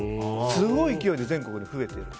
すごい勢いで全国で増えている。